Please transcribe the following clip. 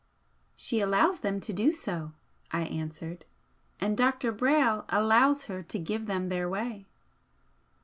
"She allows them to do so," I answered "And Dr. Brayle allows her to give them their way."